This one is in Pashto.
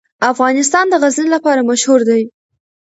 افغانستان د غزني لپاره مشهور دی.